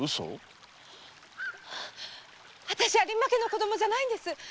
あたし有馬家の子どもじゃないんです！